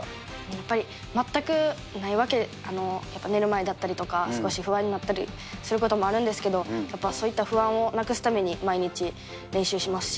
やっぱり全くないわけでは、やっぱ寝る前だったりとか、少し不安になったりすることもあるんですけど、やっぱ、そういった不安をなくすために毎日練習しますし。